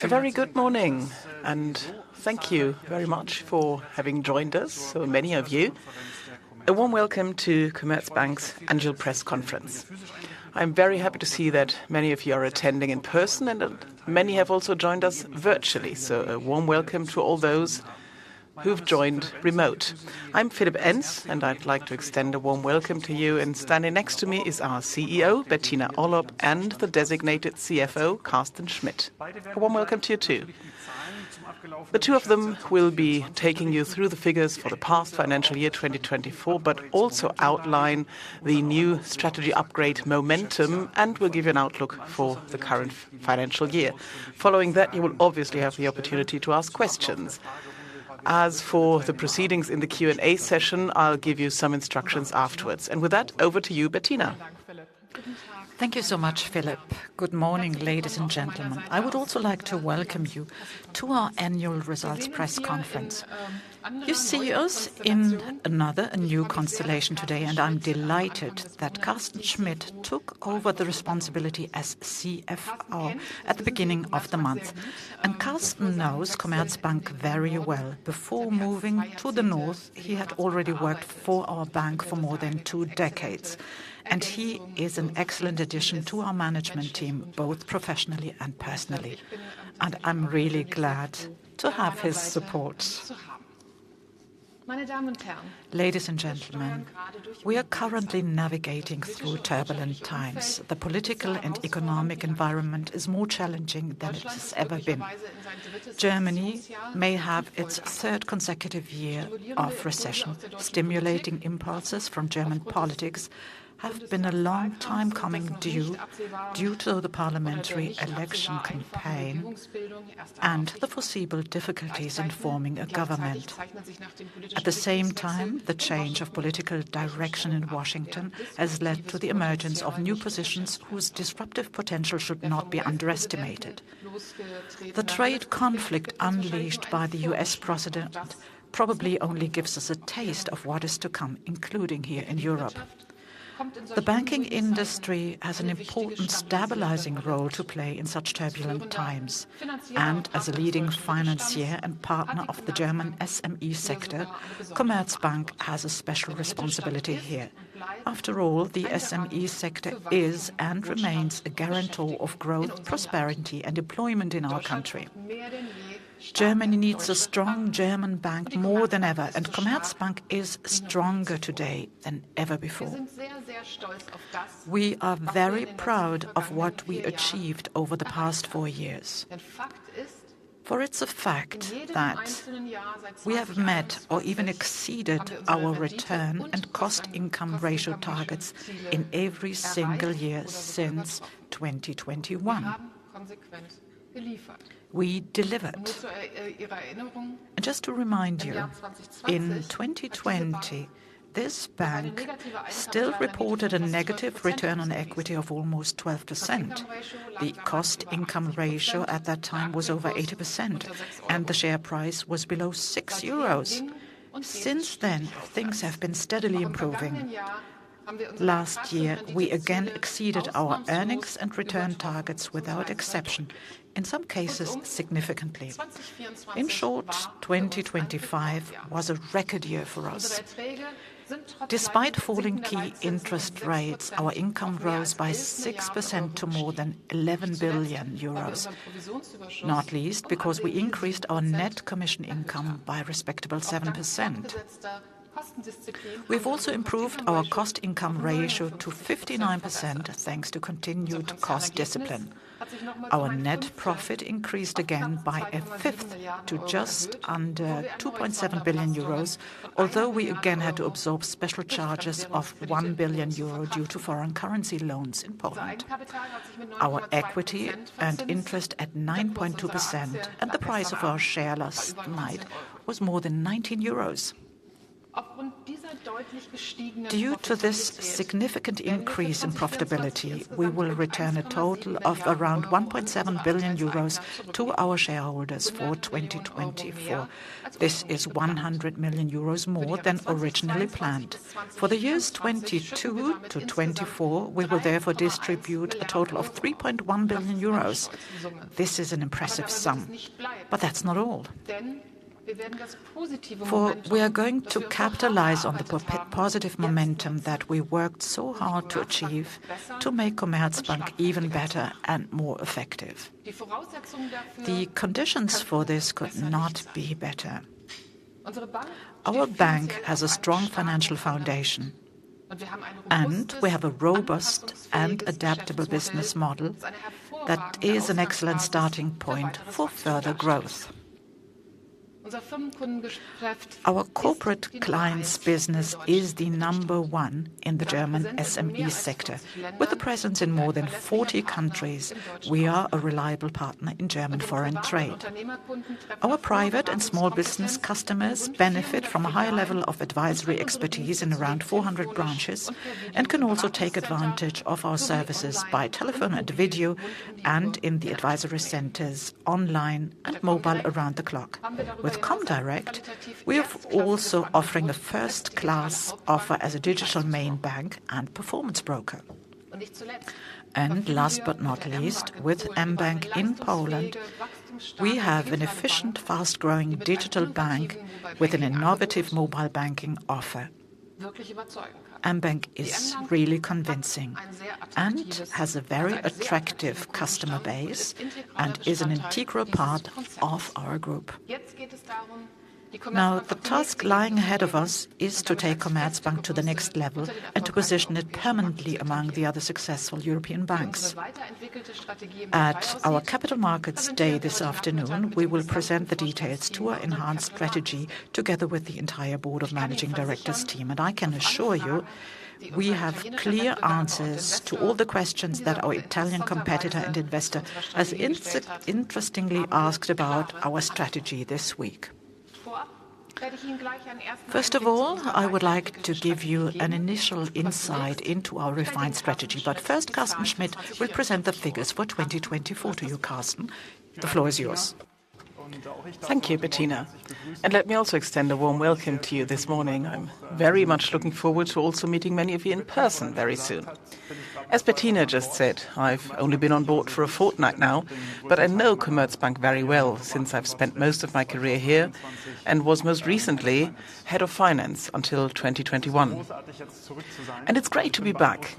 A very good morning, and thank you very much for having joined us, so many of you. A warm welcome to Commerzbank's Annual Press Conference. I'm very happy to see that many of you are attending in person, and many have also joined us virtually, so a warm welcome to all those who've joined remote. I'm Philipp Encz, and I'd like to extend a warm welcome to you, and standing next to me is our CEO, Bettina Orlopp, and the designated CFO, Carsten Schmitt. A warm welcome to you too. The two of them will be taking you through the figures for the past financial year 2024, but also outline the new strategy upgrade Momentum and will give you an outlook for the current financial year. Following that, you will obviously have the opportunity to ask questions. As for the proceedings in the Q&A session, I'll give you some instructions afterwards. And with that, over to you, Bettina. Thank you so much, Philipp. Good morning, ladies and gentlemen. I would also like to welcome you to our Annual Results Press Conference. You see us in another new constellation today, and I'm delighted that Carsten Schmitt took over the responsibility as CFO at the beginning of the month, and Carsten knows Commerzbank very well. Before moving to the north, he had already worked for our bank for more than two decades, and he is an excellent addition to our management team, both professionally and personally, and I'm really glad to have his support. Meine Damen und Herren. Ladies and gentlemen, we are currently navigating through turbulent times. The political and economic environment is more challenging than it has ever been. Germany may have its third consecutive year of recession. Stimulating impulses from German politics have been a long time coming due to the parliamentary election campaign and the foreseeable difficulties in forming a government. At the same time, the change of political direction in Washington has led to the emergence of new positions whose disruptive potential should not be underestimated. The trade conflict unleashed by the U.S. president probably only gives us a taste of what is to come, including here in Europe. The banking industry has an important stabilizing role to play in such turbulent times. And as a leading financier and partner of the German SME sector, Commerzbank has a special responsibility here. After all, the SME sector is and remains a guarantor of growth, prosperity, and employment in our country. Germany needs a strong German bank more than ever, and Commerzbank is stronger today than ever before. We are very proud of what we achieved over the past four years. For it's a fact that we have met or even exceeded our return and cost-income ratio targets in every single year since 2021. We delivered, and just to remind you, in 2020, this bank still reported a negative return on equity of almost 12%. The cost-income ratio at that time was over 80%, and the share price was below six euros. Since then, things have been steadily improving. Last year, we again exceeded our earnings and return targets without exception, in some cases significantly. In short, 2025 was a record year for us. Despite falling key interest rates, our income rose by 6% to more than 11 billion euros. Not least because we increased our net commission income by a respectable 7%. We've also improved our cost-income ratio to 59% thanks to continued cost discipline. Our net profit increased again by a fifth to just under 2.7 billion euros, although we again had to absorb special charges of 1 billion euro due to foreign currency loans in Poland. Our return on equity at 9.2% and the price of our share last night was more than 19 euros. Due to this significant increase in profitability, we will return a total of around 1.7 billion euros to our shareholders for 2024. This is 100 million euros more than originally planned. For the years 2022 to 2024, we will therefore distribute a total of 3.1 billion euros. This is an impressive sum. But that's not all. For we are going to capitalize on the positive Momentum that we worked so hard to achieve to make Commerzbank even better and more effective. The conditions for this could not be better. Our bank has a strong financial foundation, and we have a robust and adaptable business model that is an excellent starting point for further growth. Our corporate clients' business is the number one in the German SME sector. With a presence in more than 40 countries, we are a reliable partner in German foreign trade. Our private and small business customers benefit from a high level of advisory expertise in around 400 branches and can also take advantage of our services by telephone and video and in the advisory centers online and mobile around the clock. With comdirect, we are also offering a first-class offer as a digital main bank and performance broker. Last but not least, with mBank in Poland, we have an efficient, fast-growing digital bank with an innovative mobile banking offer. mBank is really convincing and has a very attractive customer base and is an integral part of our group. Now, the task lying ahead of us is to take Commerzbank to the next level and to position it permanently among the other successful European banks. At our capital markets day this afternoon, we will present the details to our enhanced strategy together with the entire board of managing directors team. And I can assure you, we have clear answers to all the questions that our Italian competitor and investor has interestingly asked about our strategy this week. First of all, I would like to give you an initial insight into our refined strategy. But first, Carsten Schmitt will present the figures for 2024 to you, Carsten. The floor is yours. Thank you, Bettina, and let me also extend a warm welcome to you this morning. I'm very much looking forward to also meeting many of you in person very soon. As Bettina just said, I've only been on board for a fortnight now, but I know Commerzbank very well since I've spent most of my career here and was most recently head of finance until 2021, and it's great to be back,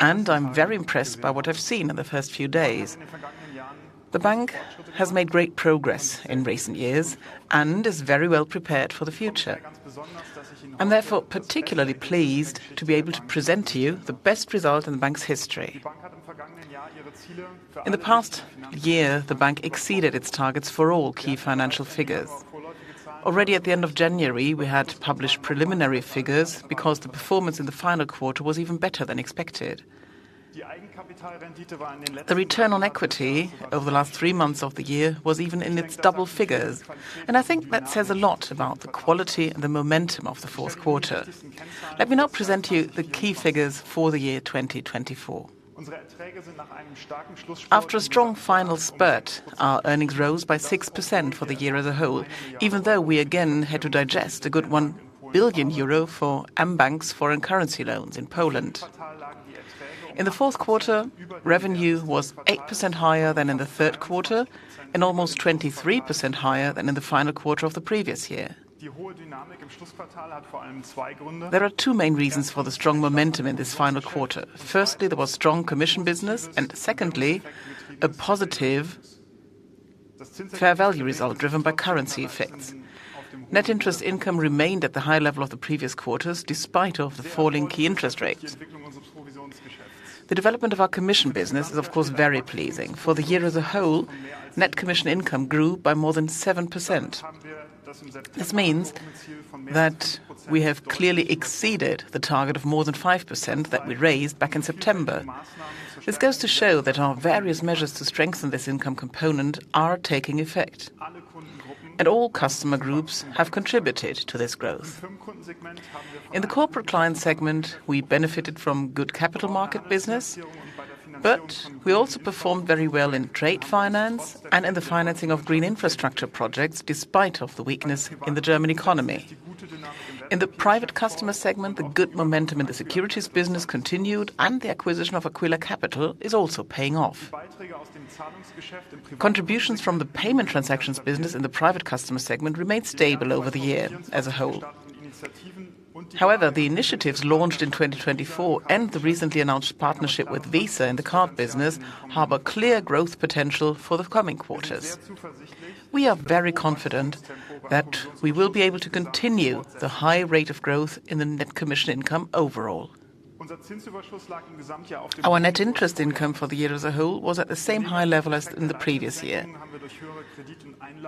and I'm very impressed by what I've seen in the first few days. The bank has made great progress in recent years and is very well prepared for the future. I'm therefore particularly pleased to be able to present to you the best result in the bank's history. In the past year, the bank exceeded its targets for all key financial figures. Already at the end of January, we had published preliminary figures because the performance in the final quarter was even better than expected. The return on equity over the last three months of the year was even in its double figures, and I think that says a lot about the quality and the Momentum of the fourth quarter. Let me now present to you the key figures for the year 2024. After a strong final spurt, our earnings rose by 6% for the year as a whole, even though we again had to digest a good 1 billion euro for mBank's foreign currency loans in Poland. In the fourth quarter, revenue was 8% higher than in the third quarter and almost 23% higher than in the final quarter of the previous year. There are two main reasons for the strong Momentum in this final quarter. Firstly, there was strong commission business, and secondly, a positive fair value result driven by currency effects. Net interest income remained at the high level of the previous quarters despite the falling key interest rates. The development of our commission business is, of course, very pleasing. For the year as a whole, net commission income grew by more than 7%. This means that we have clearly exceeded the target of more than 5% that we raised back in September. This goes to show that our various measures to strengthen this income component are taking effect, and all customer groups have contributed to this growth. In the corporate client segment, we benefited from good capital market business, but we also performed very well in trade finance and in the financing of green infrastructure projects despite the weakness in the German economy. In the private customer segment, the good Momentum in the securities business continued, and the acquisition of Aquila Capital is also paying off. Contributions from the payment transactions business in the private customer segment remained stable over the year as a whole. However, the initiatives launched in 2024 and the recently announced partnership with Visa in the card business harbor clear growth potential for the coming quarters. We are very confident that we will be able to continue the high rate of growth in the net commission income overall. Our net interest income for the year as a whole was at the same high level as in the previous year.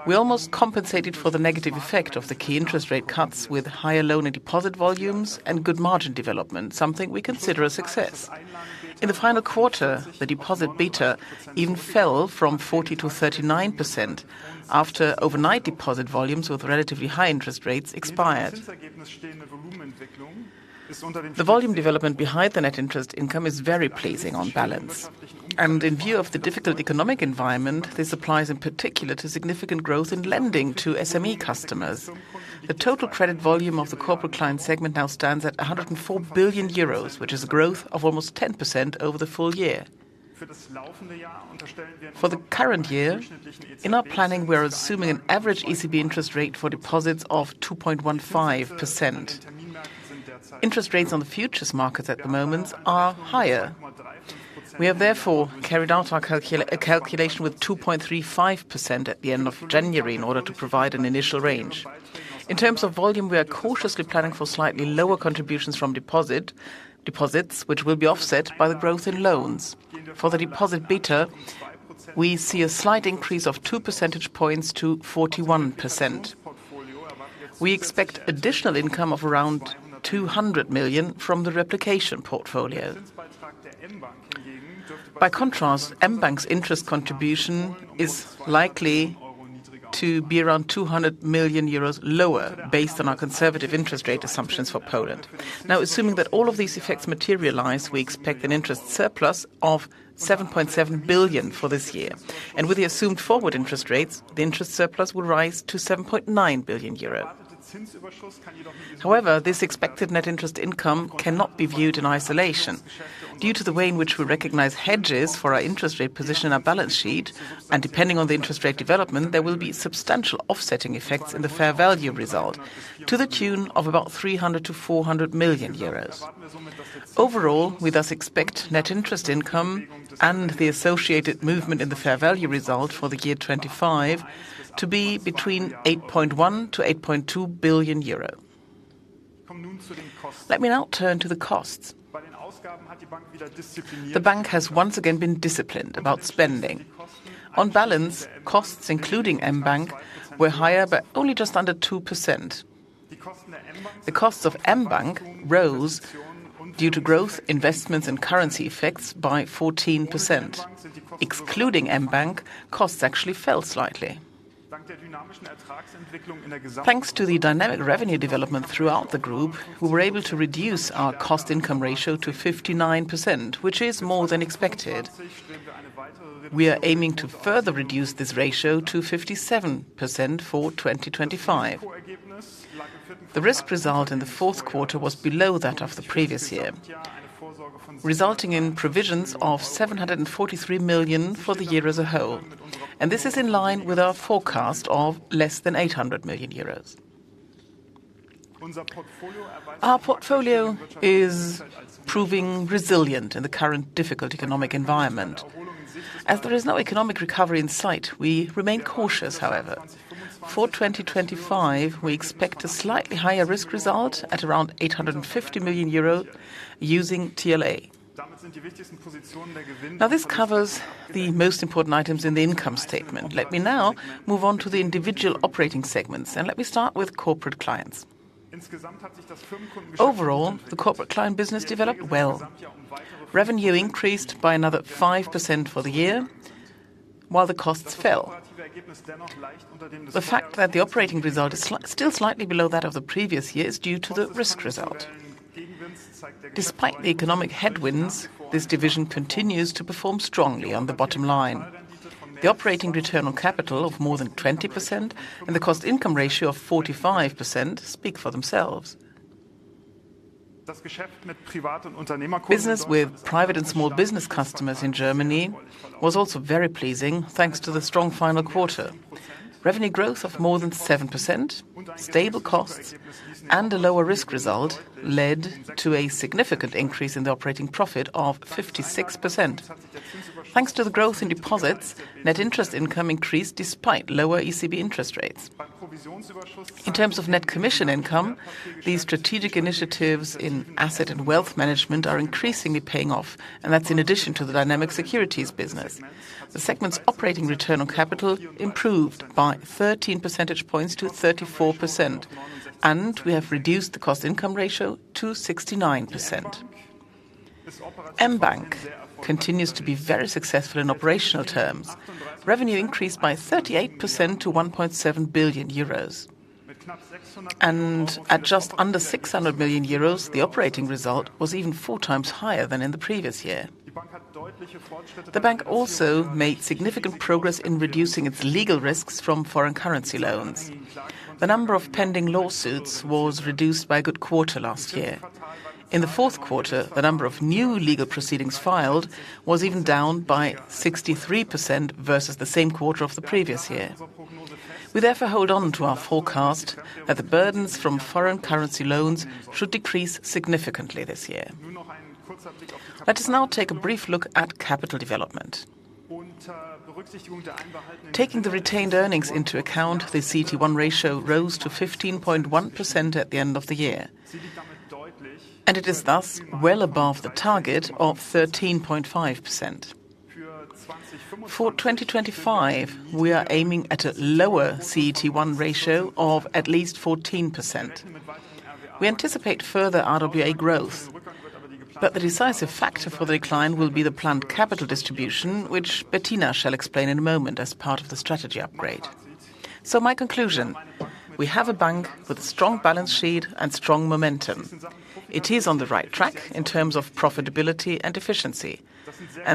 We almost compensated for the negative effect of the key interest rate cuts with higher loan and deposit volumes and good margin development, something we consider a success. In the final quarter, the deposit beta even fell from 40% to 39% after overnight deposit volumes with relatively high interest rates expired. The volume development behind the net interest income is very pleasing on balance. And in view of the difficult economic environment, this applies in particular to significant growth in lending to SME customers. The total credit volume of the corporate client segment now stands at 104 billion euros, which is a growth of almost 10% over the full year. For the current year, in our planning, we are assuming an average ECB interest rate for deposits of 2.15%. Interest rates on the futures markets at the moment are higher. We have therefore carried out our calculation with 2.35% at the end of January in order to provide an initial range. In terms of volume, we are cautiously planning for slightly lower contributions from deposits, which will be offset by the growth in loans. For the deposit beta, we see a slight increase of two percentage points to 41%. We expect additional income of around 200 million from the replication portfolio. By contrast, mBank's interest contribution is likely to be around 200 million euros lower based on our conservative interest rate assumptions for Poland. Now, assuming that all of these effects materialize, we expect an interest surplus of 7.7 billion for this year, and with the assumed forward interest rates, the interest surplus will rise to 7.9 billion euro. However, this expected net interest income cannot be viewed in isolation. Due to the way in which we recognize hedges for our interest rate position in our balance sheet, and depending on the interest rate development, there will be substantial offsetting effects in the fair value result to the tune of about 300 million to 400 million euros. Overall, we thus expect net interest income and the associated movement in the fair value result for the year 2025 to be between 8.1 billion to 8.2 billion euro. Let me now turn to the costs. The bank has once again been disciplined about spending. On balance, costs, including mBank, were higher, but only just under 2%. The costs of mBank rose due to growth, investments, and currency effects by 14%. Excluding mBank, costs actually fell slightly. Thanks to the dynamic revenue development throughout the group, we were able to reduce our cost-income ratio to 59%, which is more than expected. We are aiming to further reduce this ratio to 57% for 2025. The risk result in the fourth quarter was below that of the previous year, resulting in provisions of 743 million for the year as a whole, and this is in line with our forecast of less than 800 million euros. Our portfolio is proving resilient in the current difficult economic environment. As there is no economic recovery in sight, we remain cautious, however. For 2025, we expect a slightly higher risk result at around 850 million euro using TLA. Now, this covers the most important items in the income statement. Let me now move on to the individual operating segments, and let me start with Corporate Clients. Overall, the Corporate Clients business developed well. Revenue increased by another 5% for the year, while the costs fell. The fact that the operating result is still slightly below that of the previous year is due to the Risk Result. Despite the economic headwinds, this division continues to perform strongly on the bottom line. The operating return on capital of more than 20% and the Cost-Income Ratio of 45% speak for themselves. Business with Private and Small-Business Customers in Germany was also very pleasing thanks to the strong final quarter. Revenue growth of more than 7%, stable costs, and a lower Risk Result led to a significant increase in the operating profit of 56%. Thanks to the growth in deposits, Net Interest Income increased despite lower ECB interest rates. In terms of Net Commission Income, these strategic initiatives in asset and wealth management are increasingly paying off, and that's in addition to the dynamic securities business. The segment's operating return on capital improved by 13 percentage points to 34%, and we have reduced the cost-income ratio to 69%. mBank continues to be very successful in operational terms. Revenue increased by 38% to 1.7 billion euros, and at just under 600 million euros, the operating result was even four times higher than in the previous year. The bank also made significant progress in reducing its legal risks from foreign currency loans. The number of pending lawsuits was reduced by a good quarter last year. In the fourth quarter, the number of new legal proceedings filed was even down by 63% versus the same quarter of the previous year. We therefore hold on to our forecast that the burdens from foreign currency loans should decrease significantly this year. Let us now take a brief look at capital development. Taking the retained earnings into account, the CET1 ratio rose to 15.1% at the end of the year. It is thus well above the target of 13.5%. For 2025, we are aiming at a lower CET1 ratio of at least 14%. We anticipate further RWA growth. The decisive factor for the decline will be the planned capital distribution, which Bettina shall explain in a moment as part of the strategy upgrade. My conclusion: we have a bank with a strong balance sheet and strong Momentum. It is on the right track in terms of profitability and efficiency.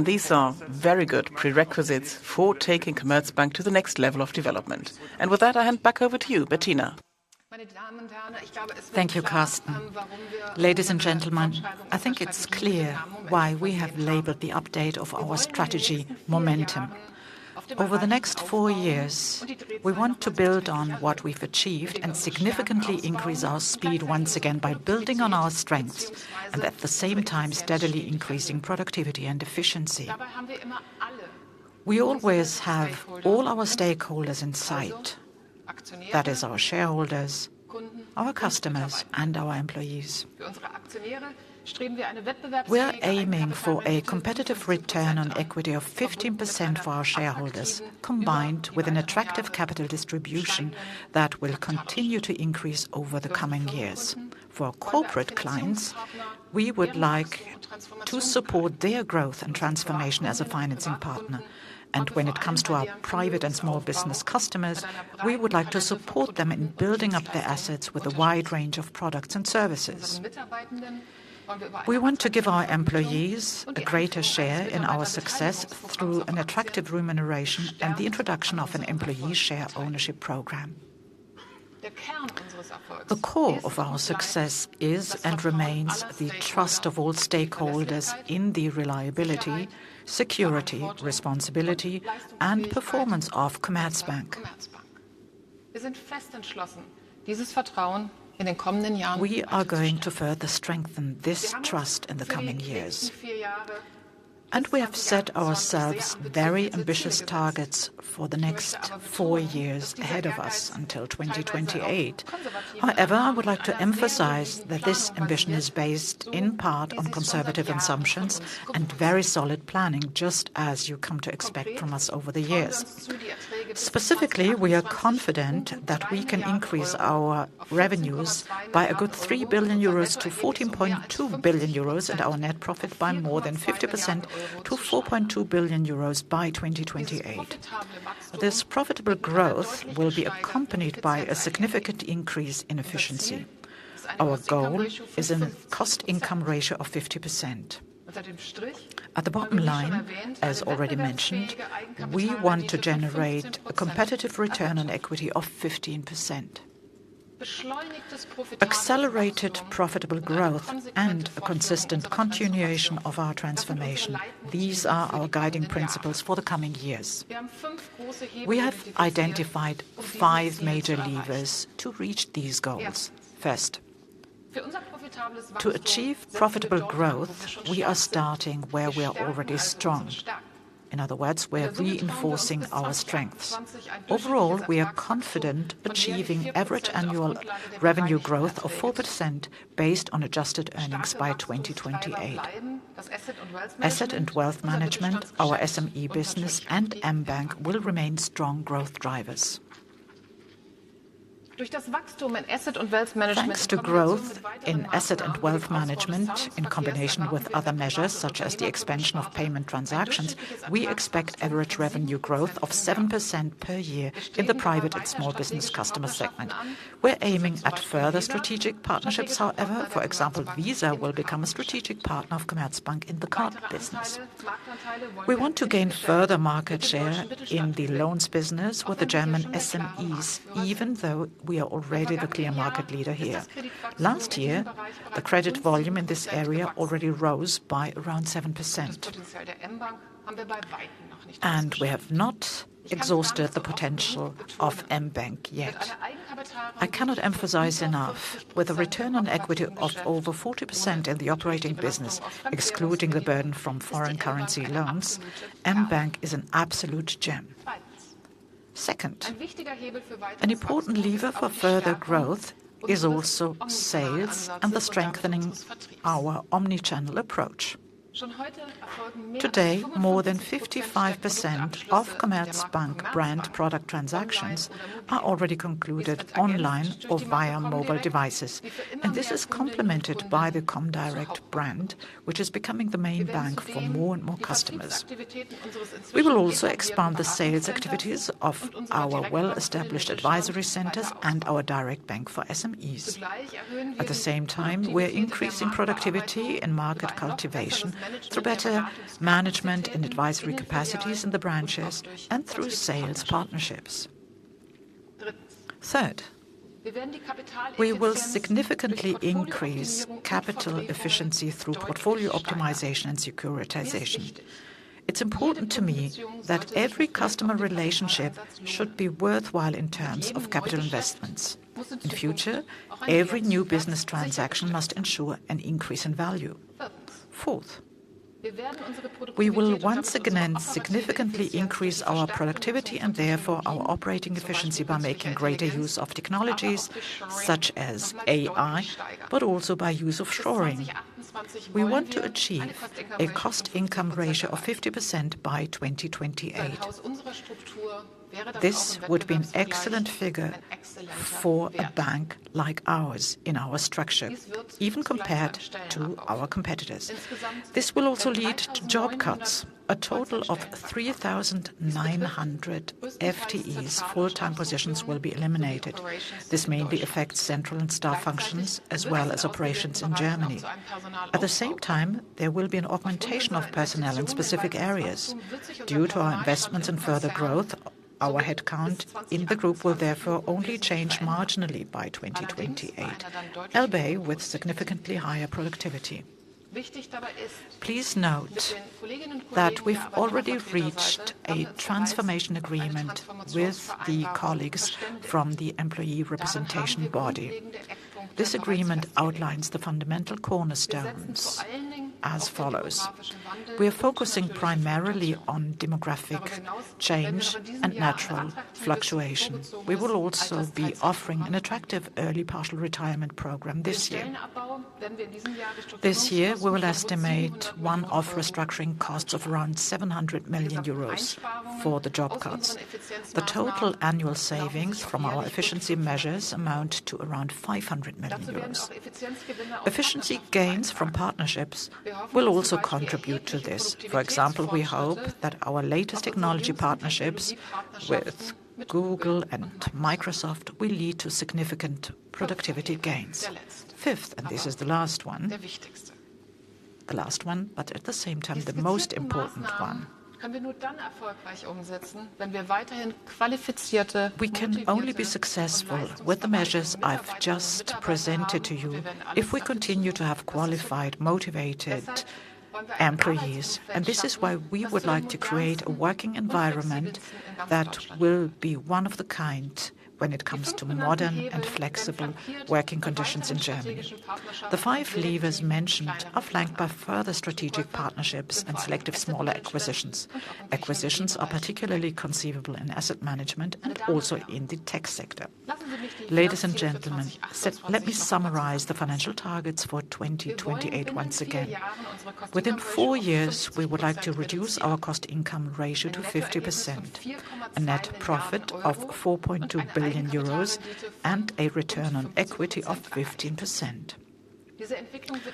These are very good prerequisites for taking Commerzbank to the next level of development. With that, I hand back over to you, Bettina. Thank you, Carsten. Ladies and gentlemen, I think it's clear why we have labeled the update of our strategy Momentum. Over the next four years, we want to build on what we've achieved and significantly increase our speed once again by building on our strengths and at the same time steadily increasing productivity and efficiency. We always have all our stakeholders in sight. That is our shareholders, our customers, and our employees. We are aiming for a competitive Return on Equity of 15% for our shareholders, combined with an attractive capital distribution that will continue to increase over the coming years. For Corporate Clients, we would like to support their growth and transformation as a financing partner. And when it comes to our Private and Small-Business Customers, we would like to support them in building up their assets with a wide range of products and services. We want to give our employees a greater share in our success through an attractive remuneration and the introduction of an employee share ownership program. The core of our success is and remains the trust of all stakeholders in the reliability, security, responsibility, and performance of Commerzbank. We are going to further strengthen this trust in the coming years. And we have set ourselves very ambitious targets for the next four years ahead of us until 2028. However, I would like to emphasize that this ambition is based in part on conservative assumptions and very solid planning, just as you come to expect from us over the years. Specifically, we are confident that we can increase our revenues by a good 3 billion euros to 14.2 billion euros and our net profit by more than 50% to 4.2 billion euros by 2028. This profitable growth will be accompanied by a significant increase in efficiency. Our goal is a cost-income ratio of 50%. At the bottom line, as already mentioned, we want to generate a competitive return on equity of 15%. Accelerated profitable growth and a consistent continuation of our transformation, these are our guiding principles for the coming years. We have identified five major levers to reach these goals. First, to achieve profitable growth, we are starting where we are already strong. In other words, we are reinforcing our strengths. Overall, we are confident achieving average annual revenue growth of 4% based on adjusted earnings by 2028. Asset and wealth management, our SME business, and mBank will remain strong growth drivers. Thanks to growth in asset and wealth management in combination with other measures such as the expansion of payment transactions, we expect average revenue growth of 7% per year in the private and small business customer segment. We are aiming at further strategic partnerships, however. For example, Visa will become a strategic partner of Commerzbank in the card business. We want to gain further market share in the loans business with the German SMEs, even though we are already the clear market leader here. Last year, the credit volume in this area already rose by around 7%, and we have not exhausted the potential of mBank yet. I cannot emphasize enough, with a return on equity of over 40% in the operating business, excluding the burden from foreign currency loans, mBank is an absolute gem. Second, an important lever for further growth is also sales and the strengthening of our omnichannel approach. Today, more than 55% of Commerzbank brand product transactions are already concluded online or via mobile devices, and this is complemented by the comdirect brand, which is becoming the main bank for more and more customers. We will also expand the sales activities of our well-established Advisory Centers and our direct bank for SMEs. At the same time, we are increasing productivity and market cultivation through better management and advisory capacities in the branches and through sales partnerships. Third, we will significantly increase capital efficiency through portfolio optimization and securitization. It's important to me that every customer relationship should be worthwhile in terms of capital investments. In future, every new business transaction must ensure an increase in value. Fourth, we will once again and significantly increase our productivity and therefore our operating efficiency by making greater use of technologies such as AI, but also by use of shoring. We want to achieve a cost-income ratio of 50% by 2028. This would be an excellent figure for a bank like ours in our structure, even compared to our competitors. This will also lead to job cuts. A total of 3,900 FTEs, full-time positions, will be eliminated. This mainly affects central and staff functions, as well as operations in Germany. At the same time, there will be an augmentation of personnel in specific areas. Due to our investments and further growth, our headcount in the group will therefore only change marginally by 2028, albeit with significantly higher productivity. Please note that we've already reached a transformation agreement with the colleagues from the employee representation body. This agreement outlines the fundamental cornerstones as follows. We are focusing primarily on demographic change and natural fluctuation. We will also be offering an attractive early partial retirement program this year. This year, we will estimate one-off restructuring costs of around 700 million euros for the job cuts. The total annual savings from our efficiency measures amount to around 500 million euros. Efficiency gains from partnerships will also contribute to this. For example, we hope that our latest technology partnerships with Google and Microsoft will lead to significant productivity gains. Fifth, and this is the last one, the last one, but at the same time the most important one. We can only be successful with the measures I've just presented to you if we continue to have qualified, motivated employees. This is why we would like to create a working environment that will be one of a kind when it comes to modern and flexible working conditions in Germany. The five levers mentioned are flanked by further strategic partnerships and selective smaller acquisitions. Acquisitions are particularly conceivable in asset management and also in the tech sector. Ladies and gentlemen, let me summarize the financial targets for 2028 once again. Within four years, we would like to reduce our cost-income ratio to 50%, a net profit of 4.2 billion euros, and a return on equity of 15%.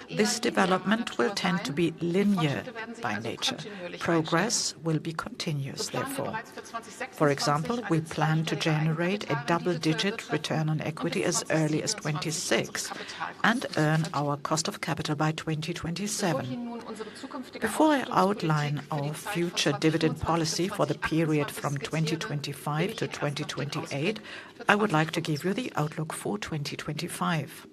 This development will tend to be linear by nature. Progress will be continuous, therefore. For example, we plan to generate a double-digit return on equity as early as 2026 and earn our cost of capital by 2027. Before I outline our future dividend policy for the period from 2025 to 2028, I would like to give you the outlook for 2025.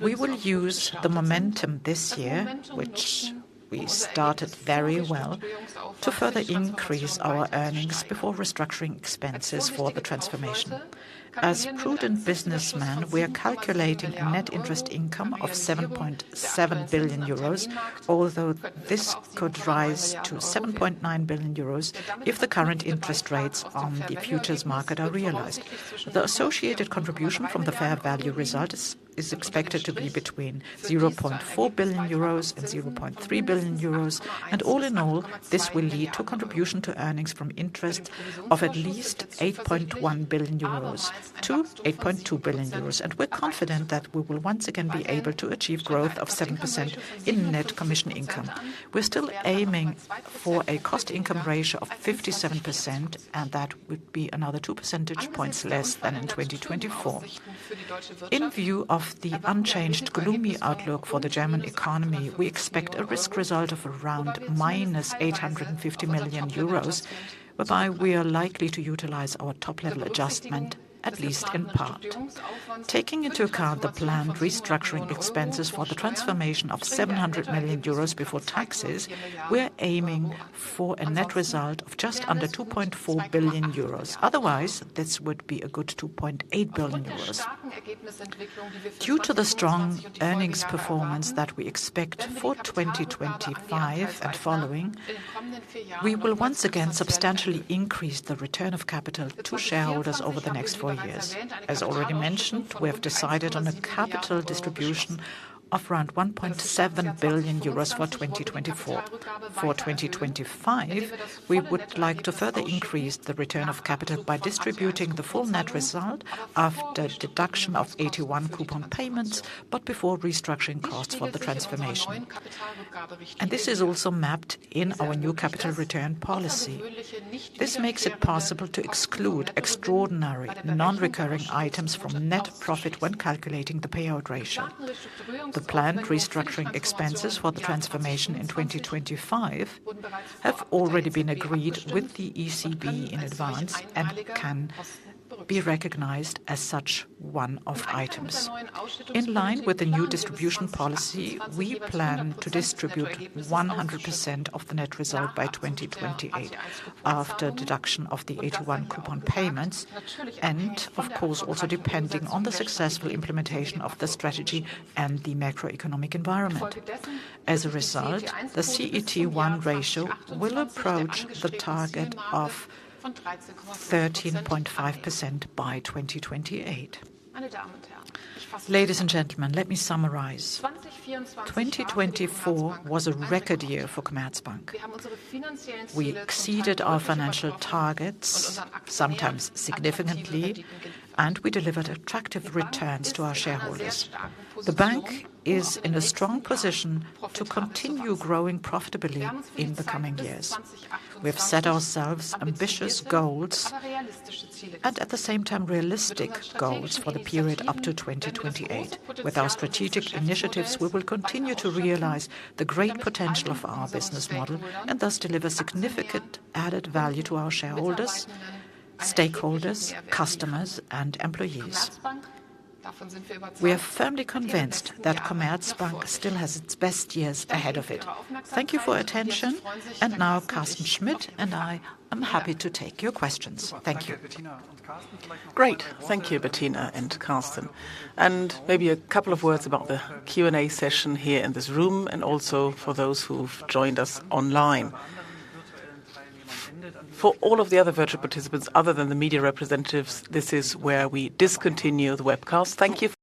We will use the Momentum this year, which we started very well, to further increase our earnings before restructuring expenses for the transformation. As prudent businessmen, we are calculating a net interest income of 7.7 billion euros, although this could rise to 7.9 billion euros if the current interest rates on the futures market are realized. The associated contribution from the fair value result is expected to be between 0.4 billion euros and 0.3 billion euros. All in all, this will lead to contribution to earnings from interest of at least 8.1 billion euros to 8.2 billion euros. We're confident that we will once again be able to achieve growth of 7% in net commission income. We're still aiming for a cost-income ratio of 57%, and that would be another two percentage points less than in 2024. In view of the unchanged gloomy outlook for the German economy, we expect a risk result of around minus 850 million euros, whereby we are likely to utilize our top-level adjustment at least in part. Taking into account the planned restructuring expenses for the transformation of 700 million euros before taxes, we are aiming for a net result of just under 2.4 billion euros. Otherwise, this would be a good 2.8 billion euros. Due to the strong earnings performance that we expect for 2025 and following, we will once again substantially increase the return of capital to shareholders over the next four years. As already mentioned, we have decided on a capital distribution of around 1.7 billion euros for 2024. For 2025, we would like to further increase the return of capital by distributing the full net result after deduction of AT1 coupon payments, but before restructuring costs for the transformation, and this is also mapped in our new capital return policy. This makes it possible to exclude extraordinary non-recurring items from net profit when calculating the payout ratio. The planned restructuring expenses for the transformation in 2025 have already been agreed with the ECB in advance and can be recognized as one-off items. In line with the new distribution policy, we plan to distribute 100% of the net result by 2028 after deduction of the AT1 coupon payments and, of course, also depending on the successful implementation of the strategy and the macroeconomic environment. As a result, the CET1 ratio will approach the target of 13.5% by 2028. Ladies and gentlemen, let me summarize. 2024 was a record year for Commerzbank. We exceeded our financial targets, sometimes significantly, and we delivered attractive returns to our shareholders. The bank is in a strong position to continue growing profitably in the coming years. We have set ourselves ambitious goals and, at the same time, realistic goals for the period up to 2028. With our strategic initiatives, we will continue to realize the great potential of our business model and thus deliver significant added value to our shareholders, stakeholders, customers, and employees. We are firmly convinced that Commerzbank still has its best years ahead of it. Thank you for your attention. And now, Carsten Schmitt and I are happy to take your questions. Thank you. Great. Thank you, Bettina and Carsten. And maybe a couple of words about the Q&A session here in this room and also for those who've joined us online. For all of the other virtual participants, other than the media representatives, this is where we discontinue the webcast. Thank you.